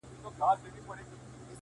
o يې ه ځكه مو په شعر كي ښكلاگاني دي،